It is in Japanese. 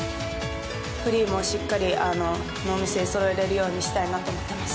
フリーも、しっかりノーミスでそろえられるようにしたいなと思っています。